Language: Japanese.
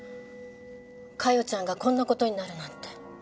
加代ちゃんがこんな事になるなんて。